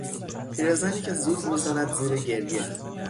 پیرزنی که زود میزند زیر گریه